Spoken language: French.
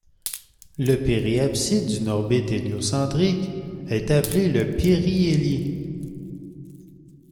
Le périapside d'une orbite héliocentrique est appelée le périhélie.